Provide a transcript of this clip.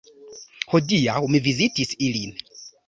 Hodiaŭ mi vizitis ilin.